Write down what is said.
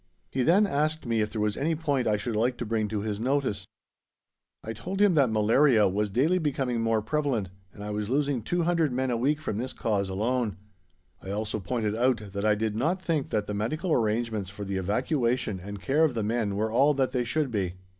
He then asked me if there was any other point I should like to bring to his notice: I told him that malaria was daily becoming more prevalent and I was losing 200 men a week from this cause alone: I also pointed out that I did not think that the medical arrangements for the evacuation and care of the men were all that they should be.